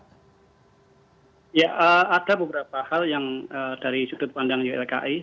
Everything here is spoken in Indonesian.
ya ada beberapa hal yang dari sudut pandang ylki